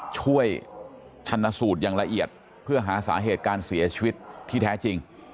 ชันสูตรอย่างละเอียดเพื่อหาสาเหตุการเสียชีวิตที่แท้จริง